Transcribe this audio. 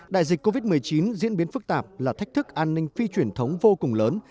đại dịch covid một mươi chín diễn biến phức tạp là thách thức an ninh phi truyền thống vô cùng lớn